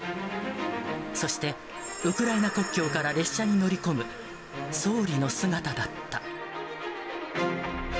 そして、ウクライナ国境から列車に乗り込む総理の姿だった。